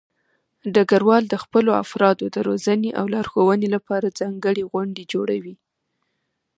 ډګروال د خپلو افرادو د روزنې او لارښودنې لپاره ځانګړې غونډې جوړوي.